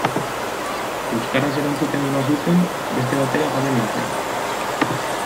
Euskaraz erantzuten ez bazuten, beste batera joaten nintzen.